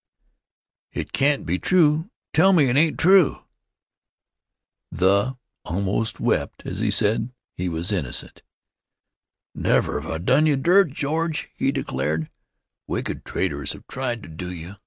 It can't be true. Tell me it ain't true." "The" almost wept as he said he was innocent. "Never have I done you dirt, George," he declared. "Wicked traitors have tried to do you.